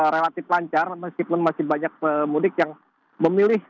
relatif lancar meskipun masih banyak pemudik yang memilih